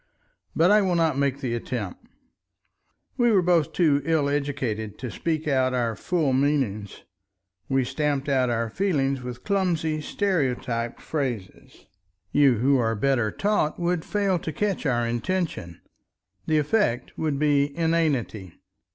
But I will not make the attempt. We were both too ill educated to speak our full meanings, we stamped out our feelings with clumsy stereotyped phrases; you who are better taught would fail to catch our intention. The effect would be inanity.